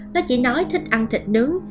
nó chỉ nói thích ăn thịt nướng